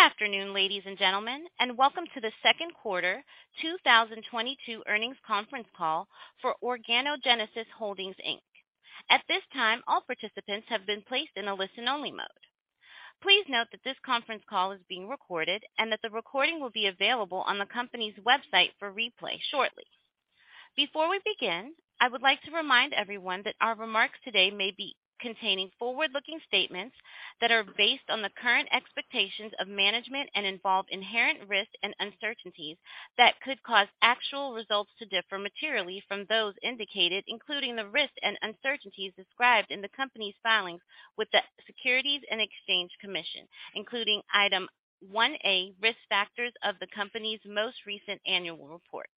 Good afternoon, ladies and gentlemen, and welcome to the second quarter 2022 earnings conference call for Organogenesis Holdings, Inc. At this time, all participants have been placed in a listen-only mode. Please note that this conference call is being recorded and that the recording will be available on the company's website for replay shortly. Before we begin, I would like to remind everyone that our remarks today may be containing forward-looking statements that are based on the current expectations of management and involve inherent risks and uncertainties that could cause actual results to differ materially from those indicated, including the risks and uncertainties described in the company's filings with the Securities and Exchange Commission, including Item 1A, Risk Factors of the company's most recent annual report.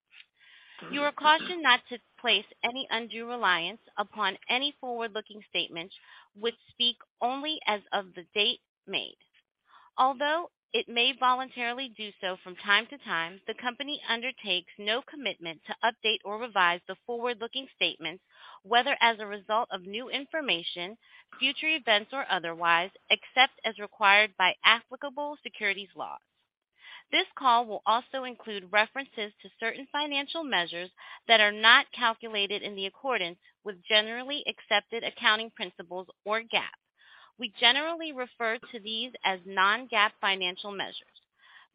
You are cautioned not to place any undue reliance upon any forward-looking statements which speak only as of the date made. Although it may voluntarily do so from time to time, the company undertakes no commitment to update or revise the forward-looking statements, whether as a result of new information, future events, or otherwise, except as required by applicable securities laws. This call will also include references to certain financial measures that are not calculated in accordance with generally accepted accounting principles or GAAP. We generally refer to these as non-GAAP financial measures.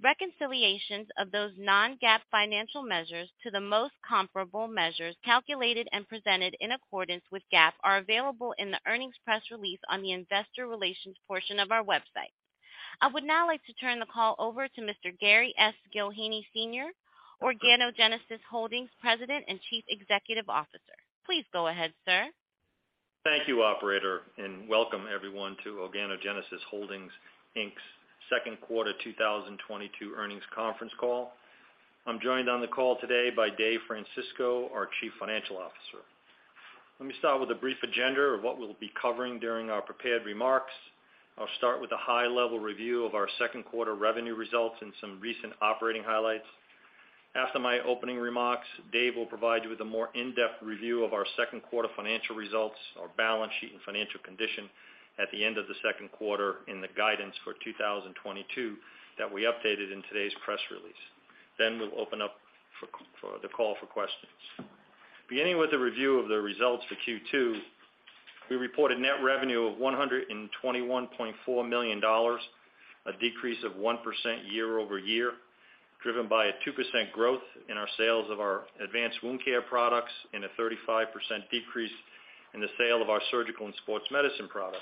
Reconciliations of those non-GAAP financial measures to the most comparable measures calculated and presented in accordance with GAAP are available in the earnings press release on the investor relations portion of our website. I would now like to turn the call over to Mr. Gary S. Gillheeney, Sr., Organogenesis Holdings, President and Chief Executive Officer. Please go ahead, sir. Thank you, operator, and welcome everyone to Organogenesis Holdings, Inc.'s second quarter 2022 earnings conference call. I'm joined on the call today by Dave Francisco, our Chief Financial Officer. Let me start with a brief agenda of what we'll be covering during our prepared remarks. I'll start with a high-level review of our second quarter revenue results and some recent operating highlights. After my opening remarks, Dave will provide you with a more in-depth review of our second quarter financial results, our balance sheet, and financial condition at the end of the second quarter and the guidance for 2022 that we updated in today's press release. We'll open up for the call for questions. Beginning with the review of the results for Q2, we reported net revenue of $121.4 million, a decrease of 1% year-over-year, driven by a 2% growth in our sales of our advanced wound care products and a 35% decrease in the sale of our surgical and sports medicine products.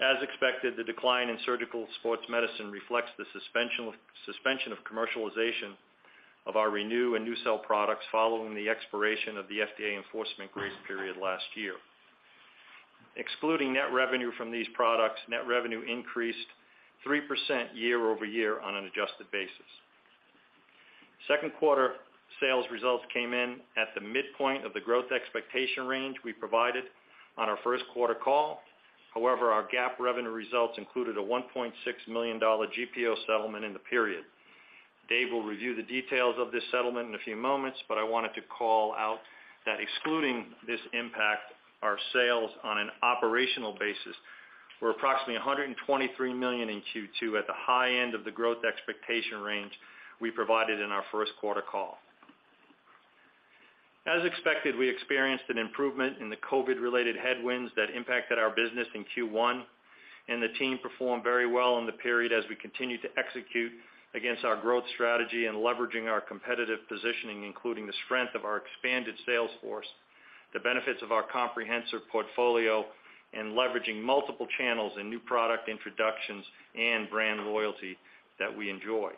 As expected, the decline in surgical and sports medicine reflects the suspension of commercialization of our ReNu and NuCel products following the expiration of the FDA enforcement grace period last year. Excluding net revenue from these products, net revenue increased 3% year-over-year on an adjusted basis. Second quarter sales results came in at the midpoint of the growth expectation range we provided on our first quarter call. However, our GAAP revenue results included a $1.6 million GPO settlement in the period. Dave will review the details of this settlement in a few moments, but I wanted to call out that excluding this impact, our sales on an operational basis were approximately $123 million in Q2 at the high end of the growth expectation range we provided in our first quarter call. As expected, we experienced an improvement in the COVID-related headwinds that impacted our business in Q1, and the team performed very well in the period as we continued to execute against our growth strategy and leveraging our competitive positioning, including the strength of our expanded sales force, the benefits of our comprehensive portfolio, and leveraging multiple channels and new product introductions and brand loyalty that we enjoy.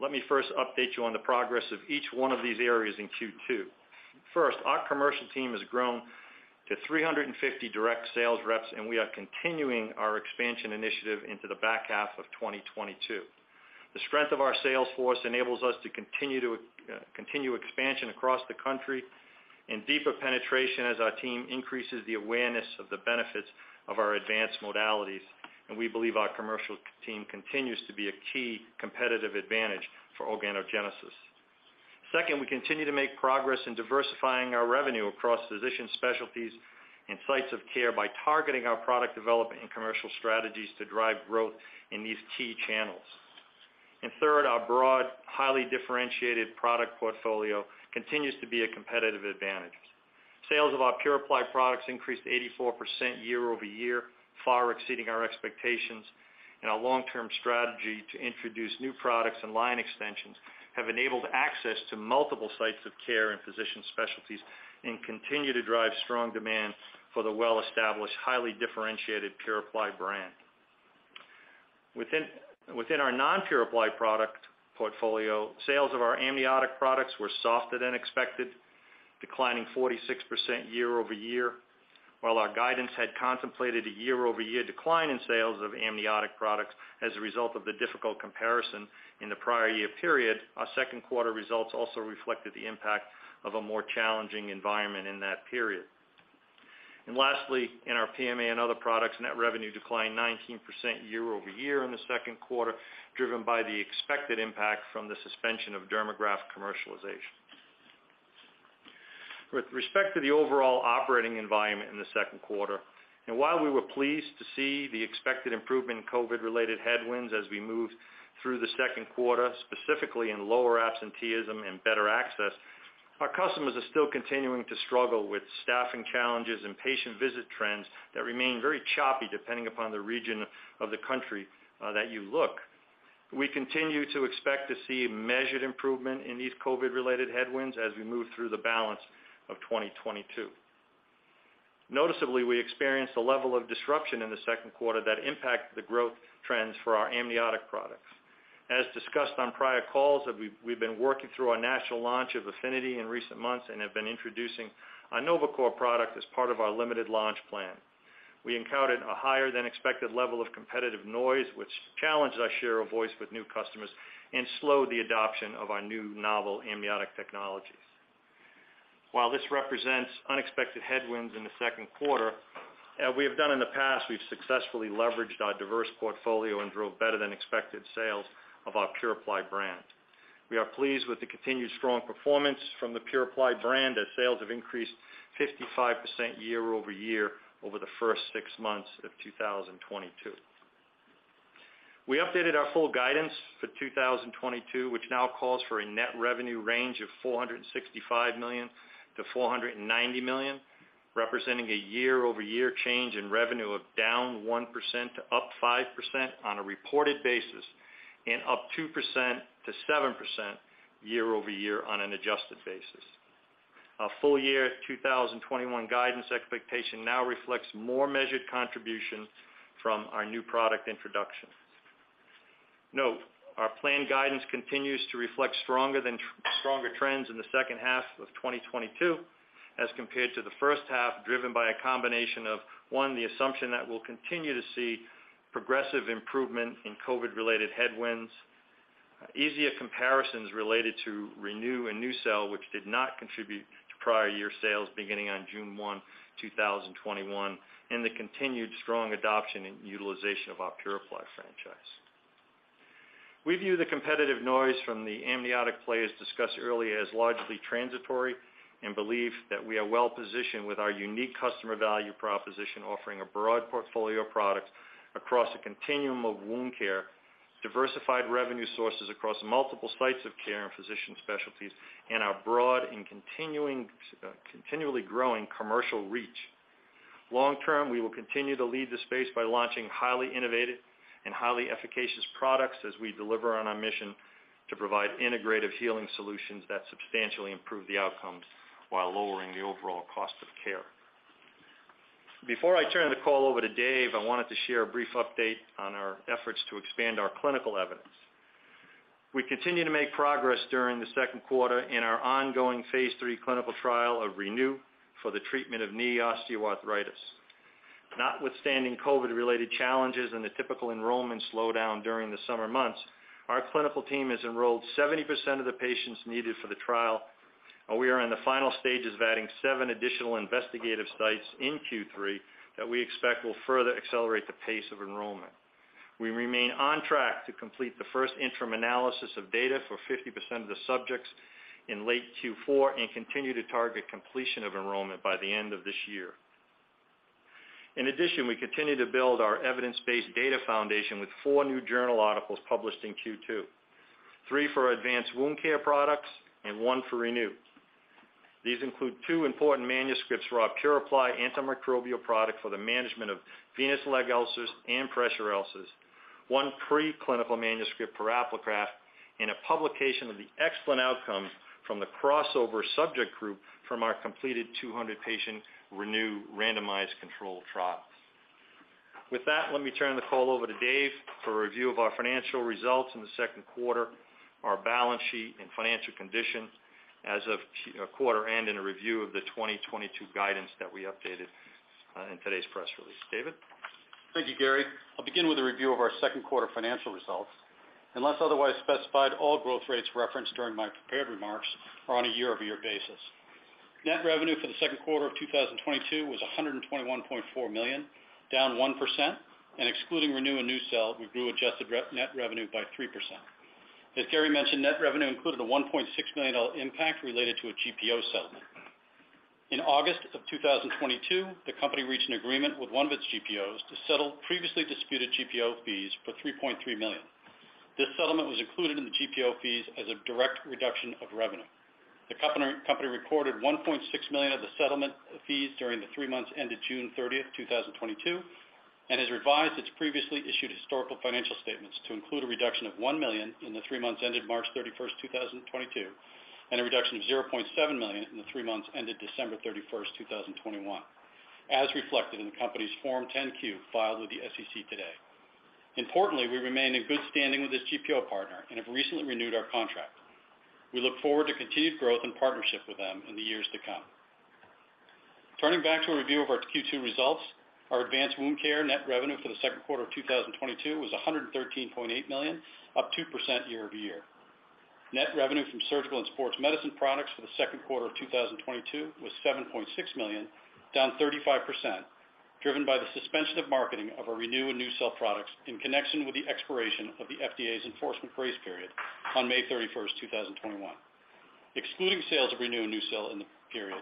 Let me first update you on the progress of each one of these areas in Q2. First, our commercial team has grown to 350 direct sales reps, and we are continuing our expansion initiative into the back half of 2022. The strength of our sales force enables us to continue expansion across the country and deeper penetration as our team increases the awareness of the benefits of our advanced modalities. We believe our commercial team continues to be a key competitive advantage for Organogenesis. Second, we continue to make progress in diversifying our revenue across physician specialties and sites of care by targeting our product development and commercial strategies to drive growth in these key channels. Third, our broad, highly differentiated product portfolio continues to be a competitive advantage. Sales of our PuraPly products increased 84% year-over-year, far exceeding our expectations. Our long-term strategy to introduce new products and line extensions have enabled access to multiple sites of care and physician specialties and continue to drive strong demand for the well-established, highly differentiated PuraPly brand. Within our non-PuraPly product portfolio, sales of our amniotic products were softer than expected, declining 46% year-over-year. While our guidance had contemplated a year-over-year decline in sales of amniotic products as a result of the difficult comparison in the prior year period, our second quarter results also reflected the impact of a more challenging environment in that period. Lastly, in our PMA and other products, net revenue declined 19% year-over-year in the second quarter, driven by the expected impact from the suspension of Dermagraft commercialization. With respect to the overall operating environment in the second quarter, while we were pleased to see the expected improvement in COVID-related headwinds as we moved through the second quarter, specifically in lower absenteeism and better access, our customers are still continuing to struggle with staffing challenges and patient visit trends that remain very choppy depending upon the region of the country that you look. We continue to expect to see measured improvement in these COVID-related headwinds as we move through the balance of 2022. Noticeably, we experienced a level of disruption in the second quarter that impacted the growth trends for our amniotic products. As discussed on prior calls that we've been working through our national launch of Affinity in recent months and have been introducing our Novachor product as part of our limited launch plan. We encountered a higher than expected level of competitive noise, which challenged our share of voice with new customers and slowed the adoption of our new novel amniotic technologies. While this represents unexpected headwinds in the second quarter, as we have done in the past, we've successfully leveraged our diverse portfolio and drove better than expected sales of our PuraPly brand. We are pleased with the continued strong performance from the PuraPly brand as sales have increased 55% year-over-year over the first six months of 2022. We updated our full guidance for 2022, which now calls for a net revenue range of $465 million-$490 million, representing a year-over-year change in revenue of down 1% to up 5% on a reported basis and up 2%-7% year-over-year on an adjusted basis. Our full year 2021 guidance expectation now reflects more measured contribution from our new product introductions. Note, our planned guidance continues to reflect stronger trends in the second half of 2022 as compared to the first half, driven by a combination of, one, the assumption that we'll continue to see progressive improvement in COVID related headwinds, easier comparisons related to ReNu and NuCel, which did not contribute to prior year sales beginning on June 1, 2021, and the continued strong adoption and utilization of our PuraPly franchise. We view the competitive noise from the amniotic players discussed earlier as largely transitory and believe that we are well positioned with our unique customer value proposition, offering a broad portfolio of products across a continuum of wound care, diversified revenue sources across multiple sites of care and physician specialties, and our broad and continuing, continually growing commercial reach. Long-term, we will continue to lead the space by launching highly innovative and highly efficacious products as we deliver on our mission to provide integrative healing solutions that substantially improve the outcomes while lowering the overall cost of care. Before I turn the call over to Dave, I wanted to share a brief update on our efforts to expand our clinical evidence. We continue to make progress during the second quarter in our ongoing phase III clinical trial of ReNu for the treatment of knee osteoarthritis. Notwithstanding COVID-related challenges and the typical enrollment slowdown during the summer months, our clinical team has enrolled 70% of the patients needed for the trial, and we are in the final stages of adding seven additional investigational sites in Q3 that we expect will further accelerate the pace of enrollment. We remain on track to complete the first interim analysis of data for 50% of the subjects in late Q4 and continue to target completion of enrollment by the end of this year. In addition, we continue to build our evidence based data foundation with four new journal articles published in Q2, three for advanced wound care products and one for ReNu. These include two important manuscripts for our PuraPly antimicrobial product for the management of venous leg ulcers and pressure ulcers, one pre-clinical manuscript for Apligraf, and a publication of the excellent outcomes from the crossover subject group from our completed 200-patient ReNu randomized controlled trial. With that, let me turn the call over to Dave for a review of our financial results in the second quarter, our balance sheet and financial condition as of quarter end, and a review of the 2022 guidance that we updated in today's press release. David? Thank you, Gary. I'll begin with a review of our second quarter financial results. Unless otherwise specified, all growth rates referenced during my prepared remarks are on a year-over-year basis. Net revenue for the second quarter of 2022 was $121.4 million, down 1%. Excluding ReNu and NuCel, we grew adjusted net revenue by 3%. As Gary mentioned, net revenue included a $1.6 million impact related to a GPO settlement. In August of 2022, the company reached an agreement with one of its GPOs to settle previously disputed GPO fees for $3.3 million. This settlement was included in the GPO fees as a direct reduction of revenue. The company recorded $1.6 million of the settlement fees during the three months ended June 30th, 2022, and has revised its previously issued historical financial statements to include a reduction of $1 million in the three months ended March 31st, 2022, and a reduction of $0.7 million in the three months ended December 31st, 2021, as reflected in the company's Form 10-Q filed with the SEC today. Importantly, we remain in good standing with this GPO partner and have recently renewed our contract. We look forward to continued growth and partnership with them in the years to come. Turning back to a review of our Q2 results, our advanced wound care net revenue for the second quarter of 2022 was $113.8 million, up 2% year-over-year. Net revenue from surgical and sports medicine products for the second quarter of 2022 was $7.6 million, down 35%. Driven by the suspension of marketing of our ReNu and NuCel products in connection with the expiration of the FDA's enforcement grace period on May 31st, 2021. Excluding sales of ReNu and NuCel in the period,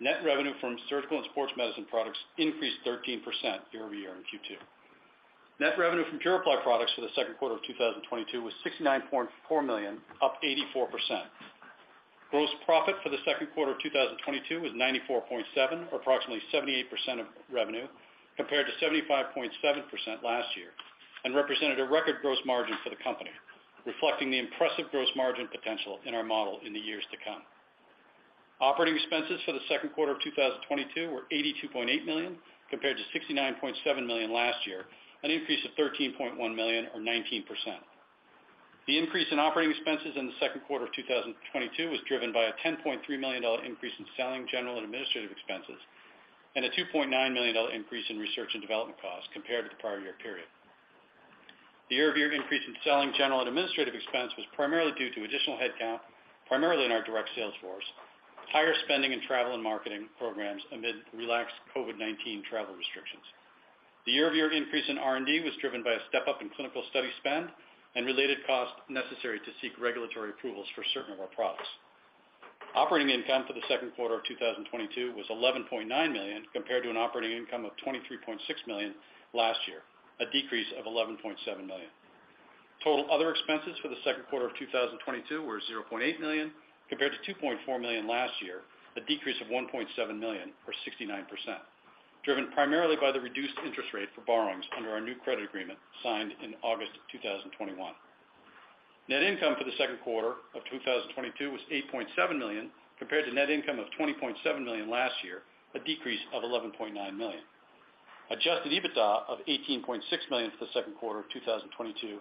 net revenue from surgical and sports medicine products increased 13% year-over-year in Q2. Net revenue from PuraPly products for the second quarter of 2022 was $69.4 million, up 84%. Gross profit for the second quarter of 2022 was $94.7, or approximately 78% of revenue, compared to 75.7% last year, and represented a record gross margin for the company, reflecting the impressive gross margin potential in our model in the years to come. Operating expenses for the second quarter of 2022 were $82.8 million compared to $69.7 million last year, an increase of $13.1 million or 19%. The increase in operating expenses in the second quarter of 2022 was driven by a $10.3 million increase in selling, general, and administrative expenses and a $2.9 million increase in research and development costs compared to the prior year period. The year-over-year increase in selling, general, and administrative expense was primarily due to additional headcount, primarily in our direct sales force, higher spending in travel and marketing programs amid relaxed COVID-19 travel restrictions. The year-over-year increase in R&D was driven by a step up in clinical study spend and related costs necessary to seek regulatory approvals for certain of our products. Operating income for the second quarter of 2022 was $11.9 million compared to an operating income of $23.6 million last year, a decrease of $11.7 million. Total other expenses for the second quarter of 2022 were $0.8 million compared to $2.4 million last year, a decrease of $1.7 million or 69%, driven primarily by the reduced interest rate for borrowings under our new credit agreement signed in August of 2021. Net income for the second quarter of 2022 was $8.7 million compared to net income of $20.7 million last year, a decrease of $11.9 million. Adjusted EBITDA of $18.6 million for the second quarter of 2022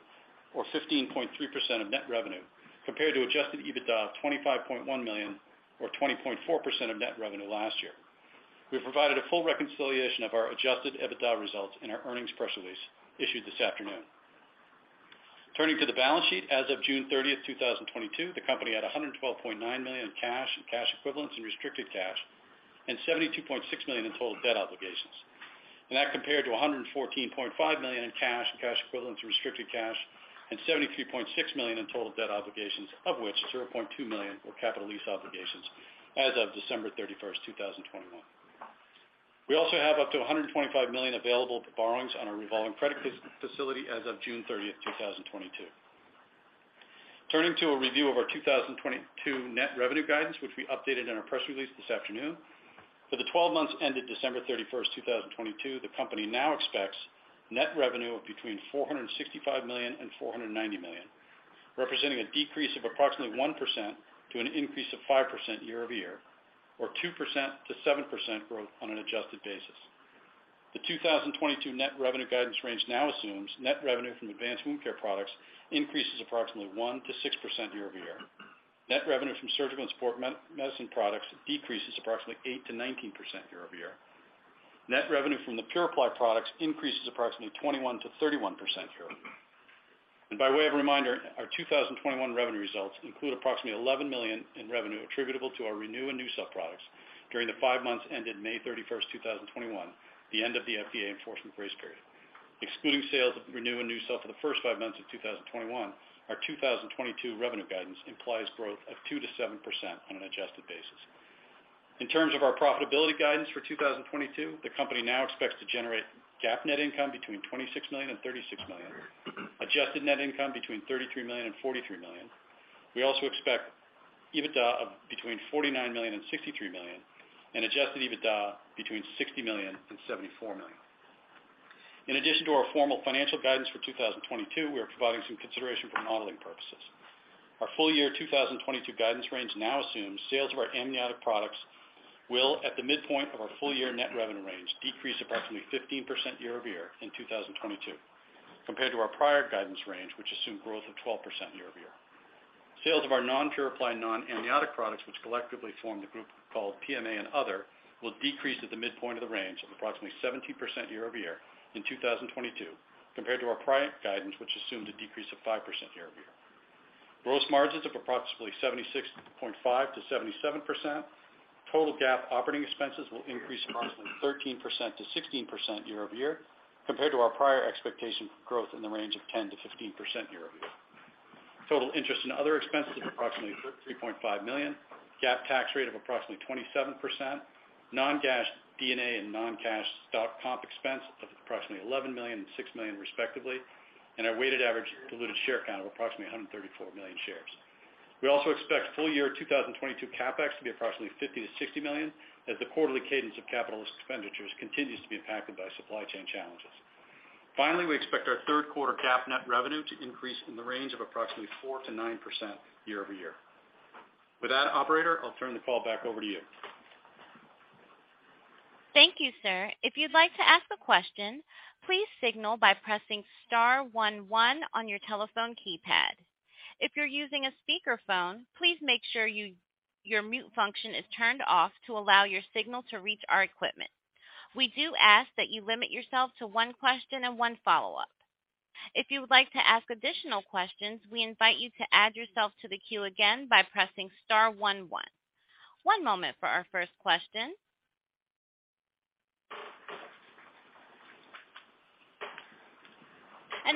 or 15.3% of net revenue compared to adjusted EBITDA of $25.1 million or 20.4% of net revenue last year. We have provided a full reconciliation of our adjusted EBITDA results in our earnings press release issued this afternoon. Turning to the balance sheet, as of June 30th, 2022, the company had $112.9 million in cash and cash equivalents and restricted cash and $72.6 million in total debt obligations. That compared to $114.5 million in cash and cash equivalents and restricted cash and $73.6 million in total debt obligations, of which $0.2 million were capital lease obligations as of December 31st, 2021. We also have up to $125 million available for borrowings on our revolving credit facility as of June 30th, 2022. Turning to a review of our 2022 net revenue guidance, which we updated in our press release this afternoon. For the 12 months ended December 31st, 2022, the company now expects net revenue of between $465 million and $490 million, representing a decrease of approximately 1% to an increase of 5% year-over-year or 2%-7% growth on an adjusted basis. The 2022 net revenue guidance range now assumes net revenue from advanced wound care products increases approximately 1%-6% year-over-year. Net revenue from surgical and sports medicine products decreases approximately 8%-19% year-over-year. Net revenue from the PuraPly products increases approximately 21%-31% year-over-year. By way of a reminder, our 2021 revenue results include approximately $11 million in revenue attributable to our ReNu and NuCel products during the five months ended May 31st, 2021, the end of the FDA enforcement grace period. Excluding sales of ReNu and NuCel for the first five months of 2021, our 2022 revenue guidance implies growth of 2%-7% on an adjusted basis. In terms of our profitability guidance for 2022, the company now expects to generate GAAP net income between $26 million and $36 million, adjusted net income between $33 million and $43 million. We also expect EBITDA of between $49 million and $63 million and adjusted EBITDA between $60 million and $74 million. In addition to our formal financial guidance for 2022, we are providing some consideration for modeling purposes. Our full year 2022 guidance range now assumes sales of our amniotic products will, at the midpoint of our full year net revenue range, decrease approximately 15% year-over-year in 2022 compared to our prior guidance range, which assumed growth of 12% year-over-year. Sales of our non-PuraPly non-amniotic products, which collectively form the group called PMA and Other, will decrease at the midpoint of the range of approximately 17% year-over-year in 2022 compared to our prior guidance which assumed a decrease of 5% year-over-year. Gross margins of approximately 76.5%-77%. Total GAAP operating expenses will increase approximately 13%-16% year-over-year compared to our prior expectation for growth in the range of 10%-15% year-over-year. Total interest and other expenses of approximately $3.5 million. GAAP tax rate of approximately 27%. Non-cash D&A and non-cash stock comp expense of approximately $11 million and $6 million respectively, and our weighted average diluted share count of approximately 134 million shares. We also expect full year 2022 CapEx to be approximately $50 million-$60 million as the quarterly cadence of capital expenditures continues to be impacted by supply chain challenges. Finally, we expect our third quarter GAAP net revenue to increase in the range of approximately 4%-9% year-over-year. With that, operator, I'll turn the call back over to you. Thank you, sir. If you'd like to ask a question, please signal by pressing star one one on your telephone keypad. If you're using a speakerphone, please make sure your mute function is turned off to allow your signal to reach our equipment. We do ask that you limit yourself to one question and one follow-up. If you would like to ask additional questions, we invite you to add yourself to the queue again by pressing star one one. One moment for our first question.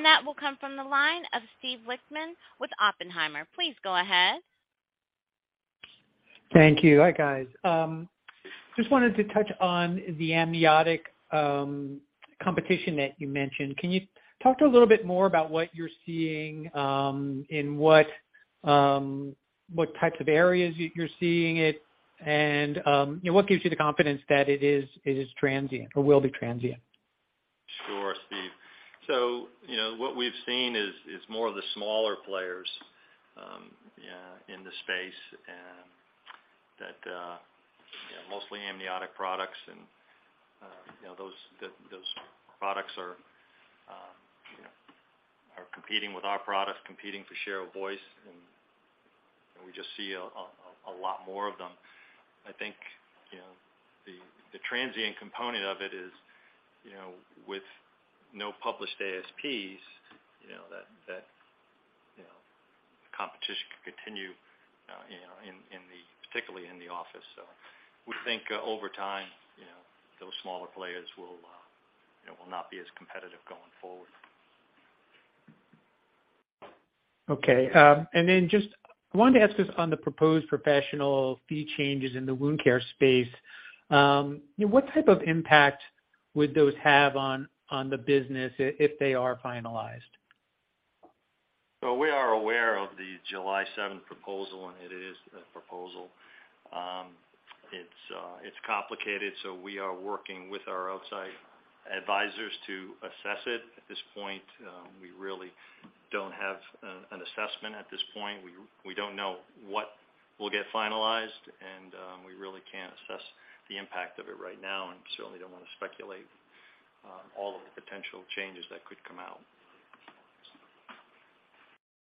That will come from the line of Steve Lichtman with Oppenheimer. Please go ahead. Thank you. Hi, guys. Just wanted to touch on the amniotic competition that you mentioned. Can you talk a little bit more about what you're seeing in what types of areas you're seeing it and, you know, what gives you the confidence that it is transient or will be transient? Sure, Steve. You know, what we've seen is more of the smaller players in the space and that mostly amniotic products and you know those products are competing with our products, competing for share of voice, and we just see a lot more of them. I think you know the transient component of it is you know with no published ASPs you know that competition can continue you know particularly in the office. We think over time you know those smaller players will you know will not be as competitive going forward. Just wanted to ask on the proposed professional fee changes in the wound care space, you know, what type of impact would those have on the business if they are finalized? We are aware of the July 7th proposal, and it is a proposal. It's complicated, so we are working with our outside advisors to assess it. At this point, we really don't have an assessment at this point. We don't know what will get finalized, and we really can't assess the impact of it right now and certainly don't want to speculate all of the potential changes that could come out.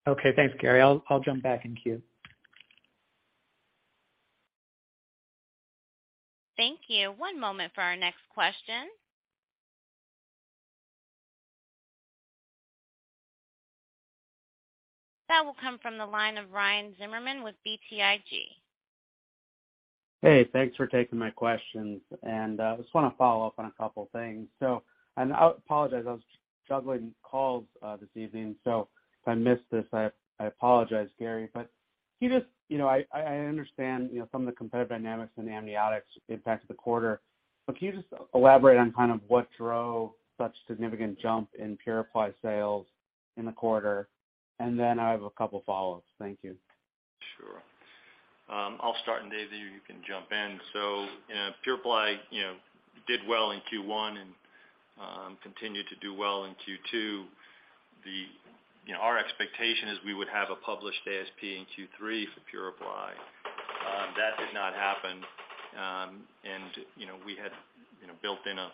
Okay. Thanks, Gary. I'll jump back in queue. Thank you. One moment for our next question. That will come from the line of Ryan Zimmerman with BTIG. Hey, thanks for taking my questions. I just wanna follow up on a couple things. I apologize, I was juggling calls this evening, so if I missed this, I apologize, Gary. But can you just, you know, I understand, you know, some of the competitive dynamics and amniotics impact of the quarter, but can you just elaborate on kind of what drove such significant jump in PuraPly sales in the quarter? I have a couple follow-ups. Thank you. Sure. I'll start, and Dave, you can jump in. You know, PuraPly, you know, did well in Q1 and continued to do well in Q2. You know, our expectation is we would have a published ASP in Q3 for PuraPly. That did not happen. You know, we had you know, built in a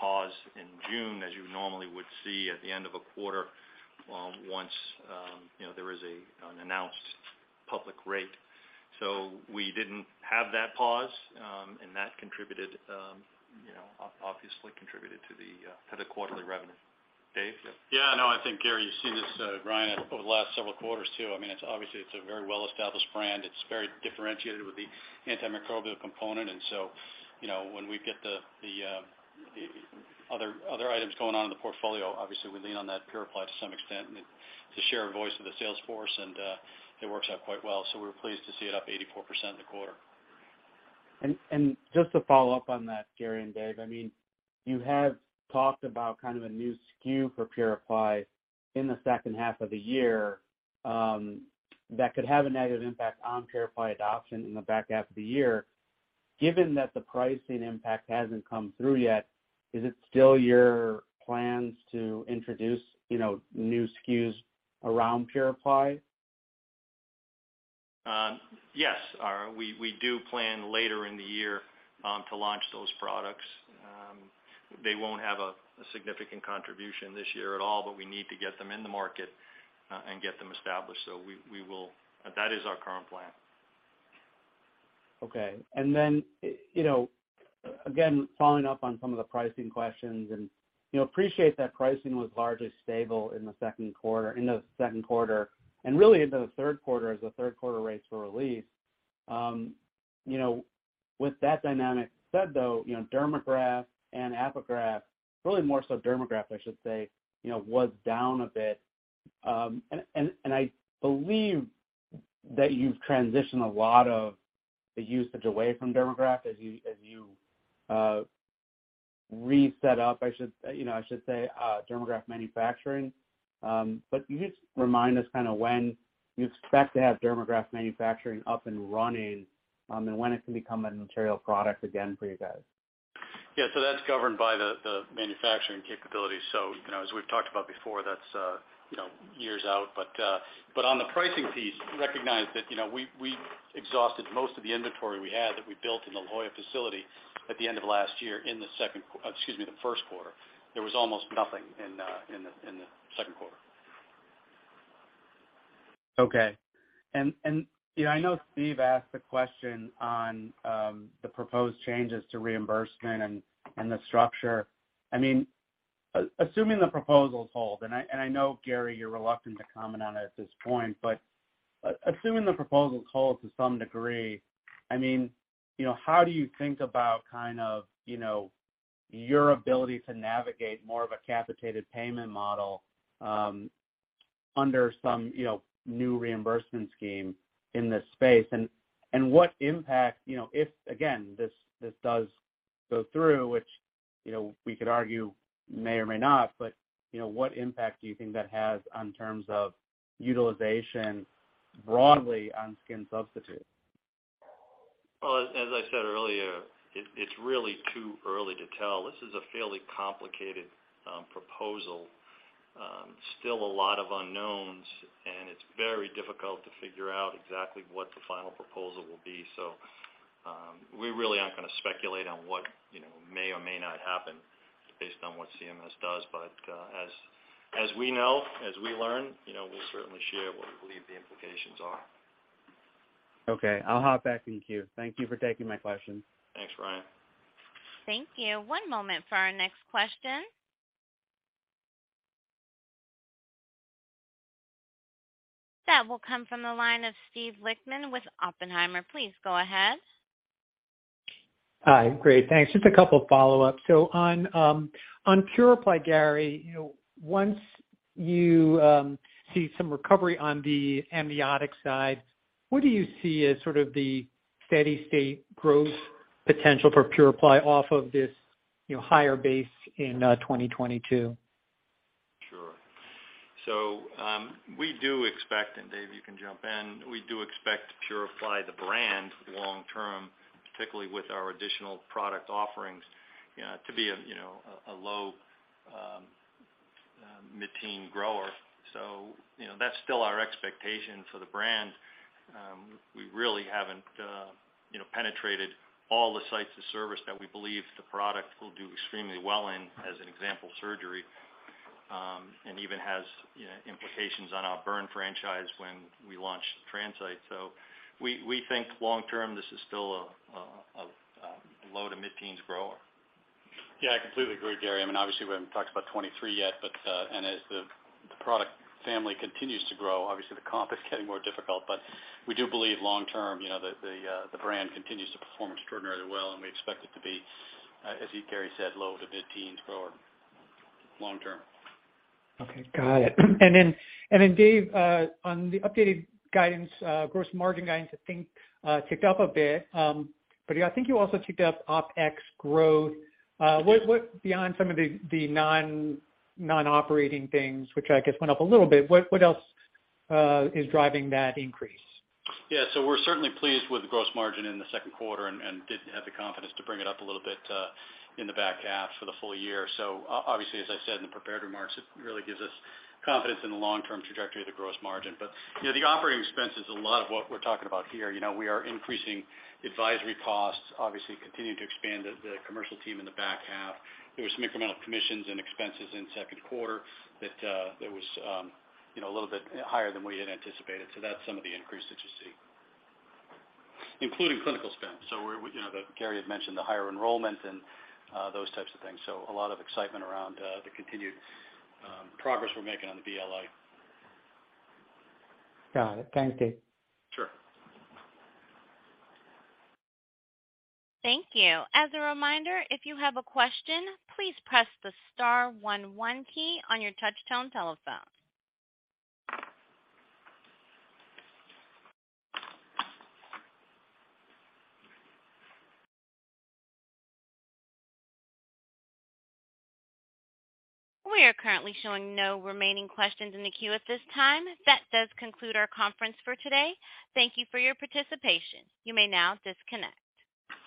pause in June, as you normally would see at the end of a quarter, once you know, there is an announced public rate. We didn't have that pause, and that contributed, you know, obviously contributed to the quarterly revenue. Dave? I think, Gary, you've seen this, Ryan over the last several quarters too. I mean, it's obviously a very well-established brand. It's very differentiated with the antimicrobial component. You know, when we get the other items going on in the portfolio, obviously we lean on that PuraPly to some extent. It's a share of voice of the sales force, and it works out quite well, so we're pleased to see it up 84% in the quarter. Just to follow up on that, Gary and Dave, I mean, you have talked about kind of a new SKU for PuraPly in the second half of the year, that could have a negative impact on PuraPly adoption in the back half of the year. Given that the pricing impact hasn't come through yet, is it still your plans to introduce, you know, new SKUs around PuraPly? Yes. We do plan later in the year to launch those products. They won't have a significant contribution this year at all, but we need to get them in the market, and get them established. We will. That is our current plan. Okay. Then, you know, again, following up on some of the pricing questions and, you know, appreciate that pricing was largely stable in the second quarter and really into the third quarter as the third quarter rates were released. With that dynamic said, though, you know, Dermagraft and Apligraf, really more so Dermagraft, I should say, you know, was down a bit. And I believe that you've transitioned a lot of the usage away from Dermagraft as you ramped up Dermagraft manufacturing. But can you just remind us kind of when you expect to have Dermagraft manufacturing up and running, and when it can become a material product again for you guys? That's governed by the manufacturing capabilities. You know, as we've talked about before, that's, you know, years out. But on the pricing piece, recognize that, you know, we exhausted most of the inventory we had that we built in the La Jolla facility at the end of last year in the first quarter. There was almost nothing in the second quarter. You know, I know Steve asked the question on the proposed changes to reimbursement and the structure. I mean, assuming the proposals hold, I know, Gary, you're reluctant to comment on it at this point, but assuming the proposals hold to some degree, I mean, you know, how do you think about kind of, you know, your ability to navigate more of a capitated payment model under some new reimbursement scheme in this space? What impact, you know, if again this does go through, which you know we could argue may or may not, but you know, what impact do you think that has in terms of utilization broadly on skin substitutes? Well, as I said earlier, it's really too early to tell. This is a fairly complicated proposal. Still a lot of unknowns, and it's very difficult to figure out exactly what the final proposal will be. We really aren't gonna speculate on what, you know, may or may not happen based on what CMS does. As we know, you know, we'll certainly share what we believe the implications are. Okay. I'll hop back in queue. Thank you for taking my question. Thanks, Ryan. Thank you. One moment for our next question. That will come from the line of Steve Lichtman with Oppenheimer. Please go ahead. Hi. Great. Thanks. Just a couple follow-ups. On PuraPly, Gary, you know, once you see some recovery on the amniotic side, what do you see as sort of the steady state growth potential for PuraPly off of this, you know, higher base in 2022? Sure. We do expect, and Dave, you can jump in, we do expect PuraPly the brand long-term, particularly with our additional product offerings, to be, you know, a low mid-teen grower. You know, that's still our expectation for the brand. We really haven't, you know, penetrated all the sites of service that we believe the product will do extremely well in, as an example, surgery, and even has, you know, implications on our burn franchise when we launch TransCyte. We think long-term, this is still a low to mid-teens grower. Yeah, I completely agree, Gary. I mean, obviously we haven't talked about 2023 yet, but, and as the product family continues to grow, obviously the comp is getting more difficult. We do believe long term, you know, the brand continues to perform extraordinarily well, and we expect it to be, as Gary said, low- to mid-teens grower long term. Okay. Got it. Dave, on the updated guidance, gross margin guidance, I think, ticked up a bit. Yeah, I think you also ticked up OpEx growth. What beyond some of the non-operating things, which I guess went up a little bit, what else is driving that increase? Yeah. We're certainly pleased with the gross margin in the second quarter and did have the confidence to bring it up a little bit in the back half for the full year. Obviously, as I said in the prepared remarks, it really gives us confidence in the long-term trajectory of the gross margin. You know, the operating expense is a lot of what we're talking about here. You know, we are increasing advisory costs, obviously continuing to expand the commercial team in the back half. There was some incremental commissions and expenses in second quarter that was you know, a little bit higher than we had anticipated. That's some of the increase that you see. Including clinical spend. We're, you know, Gary had mentioned the higher enrollment and those types of things. A lot of excitement around the continued progress we're making on the BLA. Got it. Thanks, Dave. Sure. Thank you. As a reminder, if you have a question, please press the star one one key on your touchtone telephone. We are currently showing no remaining questions in the queue at this time. That does conclude our conference for today. Thank you for your participation. You may now disconnect.